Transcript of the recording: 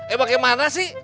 eh bagaimana sih